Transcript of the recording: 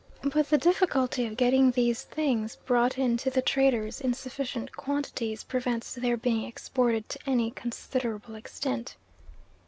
but the difficulty of getting these things brought in to the traders in sufficient quantities prevents their being exported to any considerable extent.